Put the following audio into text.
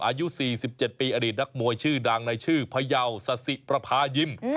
อายุ๔๗ปีอดีตนักมวยชื่อดังในชื่อพยาวสะสิประพายิม